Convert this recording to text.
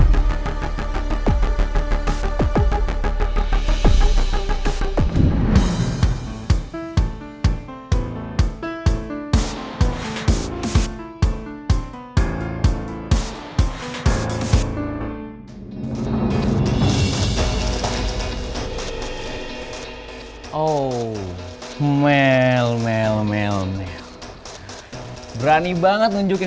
baru juga sampai rumah sakit